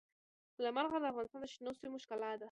سلیمان غر د افغانستان د شنو سیمو ښکلا ده.